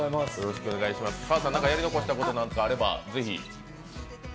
川田さん、やり残したことなんかあれば、ぜひ。